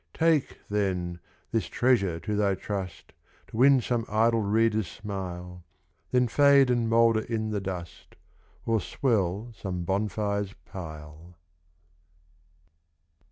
Take, then, this treasure to thy trust, To win some idle reader's smile, Then fade and moulder in the dust, Or swell some bonfire's pile.